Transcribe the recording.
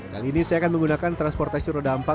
kali ini saya akan menggunakan transportasi roda empat